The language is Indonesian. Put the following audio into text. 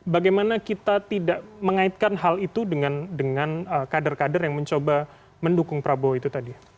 bagaimana kita tidak mengaitkan hal itu dengan kader kader yang mencoba mendukung prabowo itu tadi